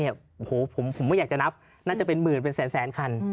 โอ้โหผมไม่อยากจะนับน่าจะเป็นหมื่นเป็นแสนคัน